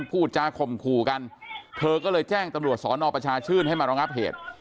พูดจาข่มขู่กันเธอก็เลยแจ้งตำรวจสอนอประชาชื่นให้มารองับเหตุ